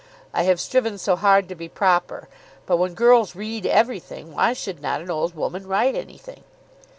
I have striven so hard to be proper; but when girls read everything, why should not an old woman write anything?